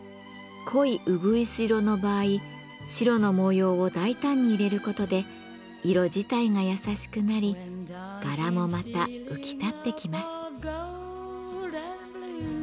濃いうぐいす色の場合白の模様を大胆に入れることで色自体が優しくなり柄もまた浮き立ってきます。